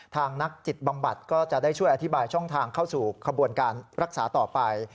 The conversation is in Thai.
นักจิตบำบัดก็จะได้ช่วยอธิบายช่องทางเข้าสู่ขบวนการรักษาต่อไป